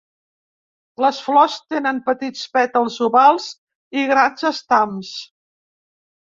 Les flors tenen petits pètals ovals i grans estams.